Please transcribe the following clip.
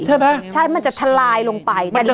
ใช่ไหมใช่มันจะทลายลงไป